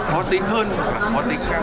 khó tính hơn hoặc khó tính khác